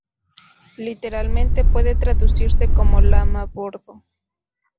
Literalmente puede traducirse como "lama-bordo".